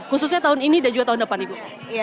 khususnya tahun ini dan juga tahun depan ibu